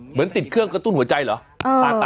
เหมือนติดเครื่องกระตุ้นหัวใจเหรอ